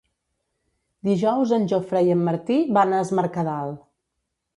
Dijous en Jofre i en Martí van a Es Mercadal.